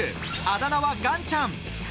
あだ名はガンちゃん。